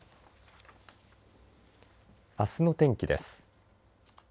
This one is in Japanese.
あすの天気です。